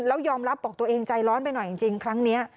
แล้วยอมรับบอกตัวเองใจร้อนไปหน่อยจริงครั้งนี้